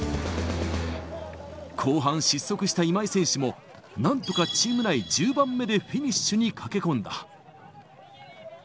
後半、失速した今井選手も、なんとかチーム内１０番目でフィニッシュに駆け込んだ。